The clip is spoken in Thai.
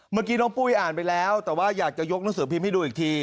เมื่อกี้น้องปุ้ยอ่านไปแล้วแต่ว่าอยากจะยกหนังสือพิมพ์ให้ดูอีกที